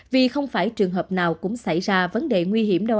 vì không phải trường hợp nào cũng xảy ra vấn đề nguy hiểm đâu